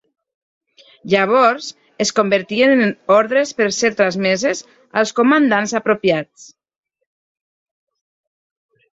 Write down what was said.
Llavors, es convertien en ordres per ser transmeses als comandants apropiats.